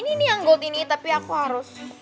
ini nih yang gold ini tapi aku harus